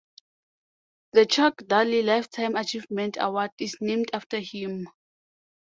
The Chuck Daly Lifetime Achievement Award is named after him.